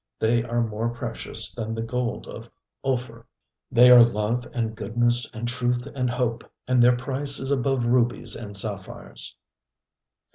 They are more precious than the gold of Ophir. They are love and goodness and truth and hope, and their price is above rubies and sapphires.